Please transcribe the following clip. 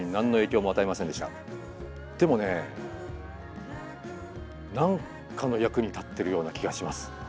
でもね何かの役に立ってるような気がします。